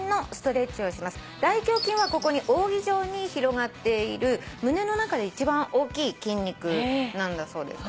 大胸筋はここに扇状に広がっている胸の中で一番大きい筋肉なんだそうです。